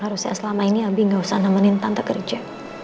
harusnya selama ini abi gak usah nemenin tante kerja